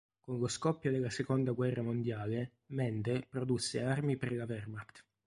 Con lo scoppio della Seconda guerra mondiale, Mende produsse armi per la Wehrmacht.